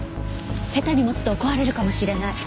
下手に持つと壊れるかもしれない。